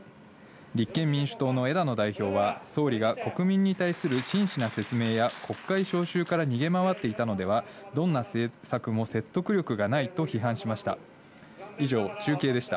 立憲民主党の枝野代表は、総理が国民に対する真摯な説明や国会召集から逃げ回っていたのでは、どんな政策も説得力がないと批判しました。